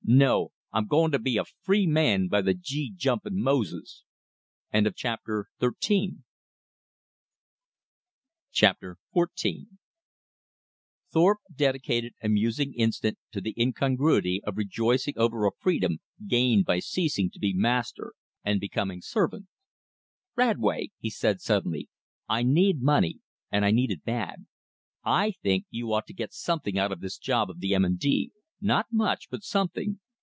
No! I'm going to be a free man by the G. jumping Moses!" Chapter XIV Thorpe dedicated a musing instant to the incongruity of rejoicing over a freedom gained by ceasing to be master and becoming servant. "Radway," said he suddenly, "I need money and I need it bad. I think you ought to get something out of this job of the M. & D. not much, but something.